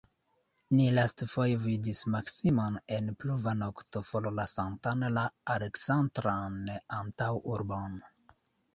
Ni lastfoje vidis Maksimon en pluva nokto forlasantan la Aleksandran antaŭurbon.